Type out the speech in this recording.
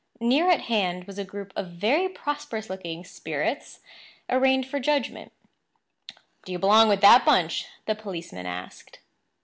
Near at hand was a group of very prosperous looking spirits arraigned for judgment. "Do you belong with that bunch?" the policeman asked.